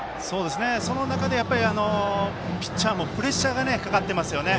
その中で、ピッチャーもプレッシャーがかかっていますね。